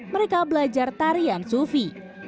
mereka belajar tarian sufi